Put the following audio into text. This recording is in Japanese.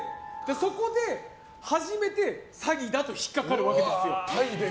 そこで初めて詐欺だと引っかかるわけですよ。